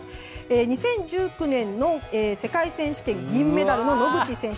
２０１９年の世界選手権で銀メダルの野口選手。